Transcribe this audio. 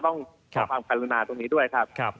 ก็ต้องมีความคันลุนาตรงนี้ด้วยครับ